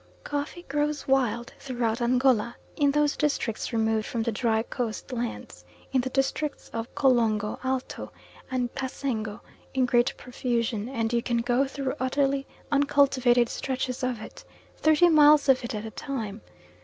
Coffee grows wild throughout Angola in those districts removed from the dry coast lands in the districts of Golongo Alto and Cassengo in great profusion, and you can go through utterly uncultivated stretches of it, thirty miles of it at a time.